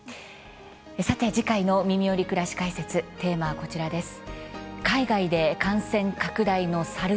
さて次回の「みみより！くらし解説」テーマは、こちらです。